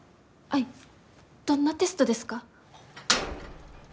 アイどんなテストですか？